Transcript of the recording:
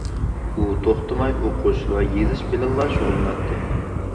ئۇ توختىماي ئوقۇش ۋە يېزىش بىلەنلا شۇغۇللىناتتى.